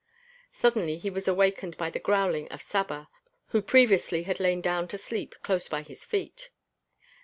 Suddenly he was awakened by the growling of Saba, who previously had lain down to sleep close by his feet.